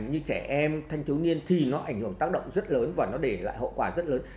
như trẻ em thanh thiếu niên thì nó ảnh hưởng tác động rất lớn và nó để lại hậu quả rất lớn